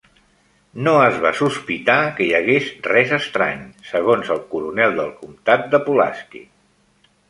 No es va sospitar que hi hagués res estrany, segons el coronel del comtat de Pulaski.